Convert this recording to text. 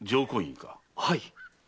はい。